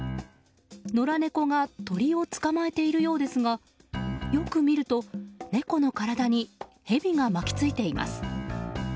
野良猫が鳥を捕まえているようですがよく見ると、猫の体にヘビが巻き付いています。